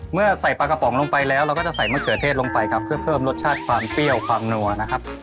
เมื่อใส่ปลากระป๋องลงไปแล้วเราก็จะใส่มะเขือเทศลงไปครับเพื่อเพิ่มรสชาติความเปรี้ยวความนัวนะครับ